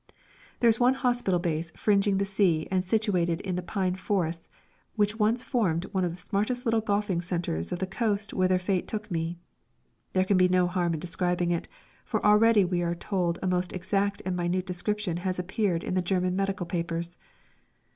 There is one hospital base fringing the sea and situated in the pine forests which once formed one of the smartest little golfing centres of the coast whither Fate took me. There can be no harm in describing it, for already we are told a most exact and minute description has appeared in the German medical papers!